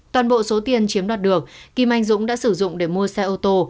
toàn bộ số tiền chiếm đoạt được kim anh dũng đã sử dụng để mua xe ô tô